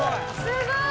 すごい！